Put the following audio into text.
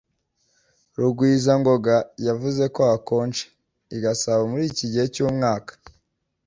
Rugwizangoga yavuze ko hakonje i Gasabo muri iki gihe cyumwaka.